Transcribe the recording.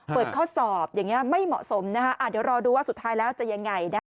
ข้อสอบอย่างนี้ไม่เหมาะสมนะคะเดี๋ยวรอดูว่าสุดท้ายแล้วจะยังไงนะคะ